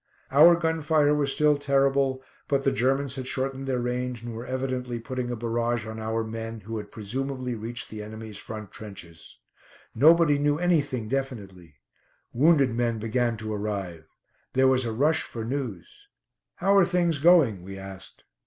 Our gun fire was still terrible, but the Germans had shortened their range and were evidently putting a barrage on our men, who had presumably reached the enemy's front trenches. Nobody knew anything definitely. Wounded men began to arrive. There was a rush for news. "How are things going?" we asked.